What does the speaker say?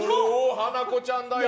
ハナコちゃんだよ。